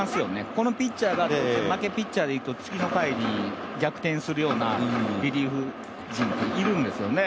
このピッチャーが負けピッチャーでいくと、逆転するようなリリーフ陣っているんですよね